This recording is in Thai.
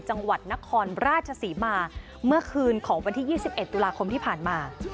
จังหวัดนครราชสีมาเมื่อคืนของวันที่ยี่สิบเอ็ดตุลาคมที่ผ่านมา